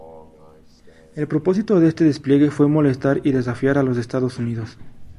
El propósito de este despliegue fue "molestar y desafiar a los Estados Unidos".